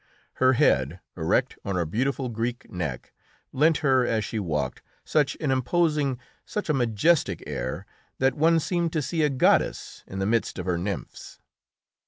Her head, erect on her beautiful Greek neck, lent her as she walked such an imposing, such a majestic air, that one seemed to see a goddess in the midst of her nymphs.